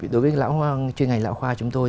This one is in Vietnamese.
đối với chuyên ngành lão khoa chúng tôi